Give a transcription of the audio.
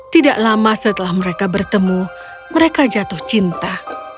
tidak lama setelah mereka bertemu mereka jatuh cinta